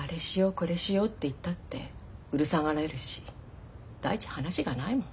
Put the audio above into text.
これしようって言ったってうるさがられるし第一話がないもの。